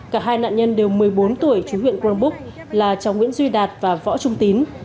cả hai nạn nhân đều một mươi bốn tuổi chú huyện crong búc là cháu nguyễn duy đạt và võ trung tín